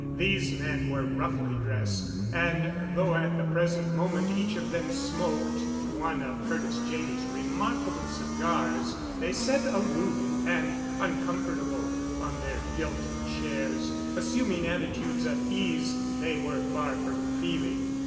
These men were roughly dressed, and, though at the present moment each of them smoked one of Curtis Janney's remarkable cigars, they sat aloof and uncomfortable on their gilt chairs, assuming attitudes of ease they were far from feeling.